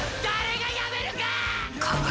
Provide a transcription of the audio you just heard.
誰がやめるか！